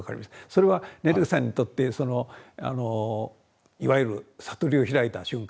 それはネルケさんにとっていわゆる悟りを開いた瞬間ですか？